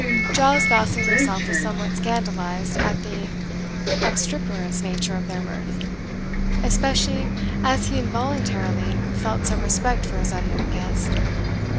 Giles Gosling himself was somewhat scandalized at the obstreperous nature of their mirth, especially as he involuntarily felt some respect for his unknown guest.